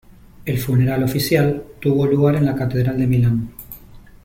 El funeral oficial tuvo lugar en la catedral de Milán.